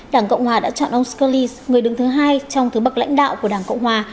đảng cộng hòa đã chọn ông scurllis người đứng thứ hai trong thứ bậc lãnh đạo của đảng cộng hòa